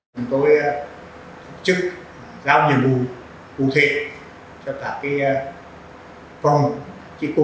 chúng tôi thực chức giao nhiệm vụ cụ thể cho cả cái phòng kỹ cụ